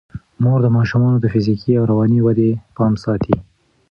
مور د ماشومانو د فزیکي او رواني ودې پام ساتي.